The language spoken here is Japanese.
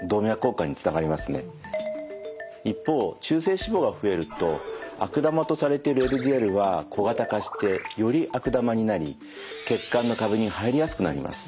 一方中性脂肪が増えると悪玉とされているＬＤＬは小型化してより悪玉になり血管の壁に入りやすくなります。